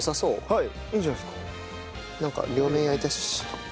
はい。